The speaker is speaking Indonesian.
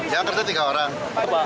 yang terasa tiga orang